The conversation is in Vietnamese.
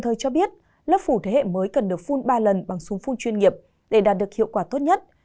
thế hệ mới cần được phun ba lần bằng súng phun chuyên nghiệp để đạt được hiệu quả tốt nhất